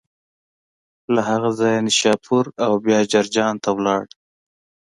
له هغه ځایه نشاپور او بیا جرجان ته ولاړ.